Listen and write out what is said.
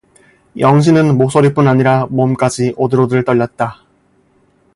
영신은 목소리뿐 아니라 몸까지 오들오들 떨렸다.